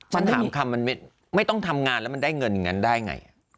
ฉันถามคำมันไม่ต้องทำงานแล้วมันได้เงินอย่างนั้นได้ไง